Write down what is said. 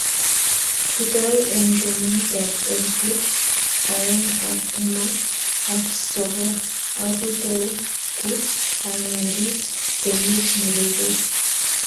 kiitou eng' kenyitab elput oeng' ak taman aksokol akutou ku ang'erit kenyit nerubei